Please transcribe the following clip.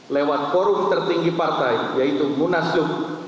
lewat forum tertinggi partai kami akan berkembang